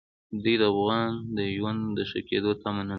دوی د افغان د ژوند د ښه کېدو تمه نه لري.